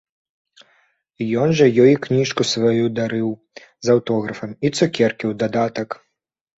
Ён жа ёй і кніжку сваю дарыў з аўтографам, і цукеркі ў дадатак.